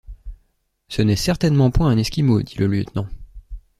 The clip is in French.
Ce n’est certainement point un Esquimau, dit le lieutenant.